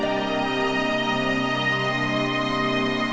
ketemu sama staff kita juga kok ma